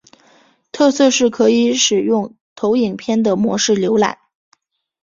特色是可以使用投影片的模式浏览。